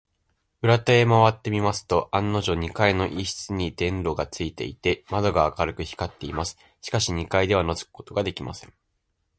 裏手へまわってみますと、案のじょう、二階の一室に電燈がついていて、窓が明るく光っています。しかし、二階ではのぞくことができません。